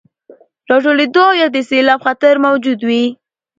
راټولېدو او يا د سيلاب خطر موجود وي،